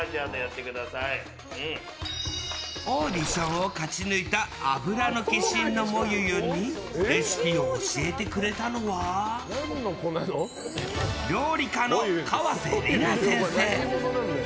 オーディションを勝ち抜いた脂の化身のもゆゆんにレシピを教えてくれたのは料理家の川瀬璃菜先生。